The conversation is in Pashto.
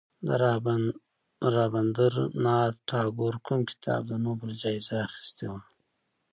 د رابندر ناته ټاګور کوم کتاب د نوبل جایزه اخیستې وه.